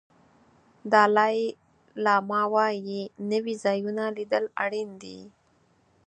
دالای لاما وایي نوي ځایونه لیدل اړین دي.